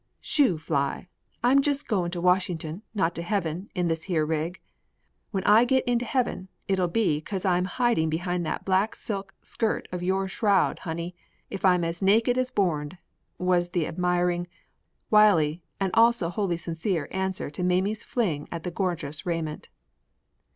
"Shoo fly, I'm jest going to Washington, not to Heaven, in this here rig. When I git into Heaven it'll be 'cause I'm hiding behind that black silk skirt of your shroud, honey, if I'm as naked as borned," was the admiring, wily and also wholly sincere answer to Mammy's fling at the gorgeous raiment.